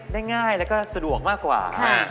ได้ง่ายแล้วก็สะดวกมากกว่า